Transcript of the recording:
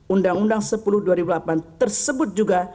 undang undang sepuluh dua ribu delapan tersebut juga